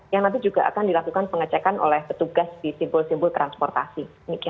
yang nanti juga akan dilakukan pengecekan oleh petugas di simbol simbol transportasi